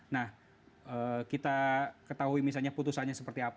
nah kita ketahui misalnya putusannya seperti apa